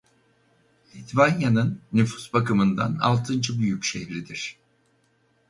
Litvanya'nın nüfus bakımından altıncı büyük şehridir.